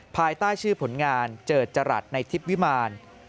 ภายใต้ชื่อผลงานเจิดจรัสในทิพย์วิมาร